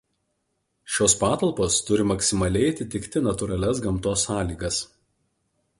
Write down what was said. Šios patalpos turi maksimaliai atitikti natūralias gamtos sąlygas.